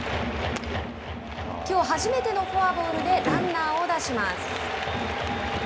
きょう初めてのフォアボールでランナーを出します。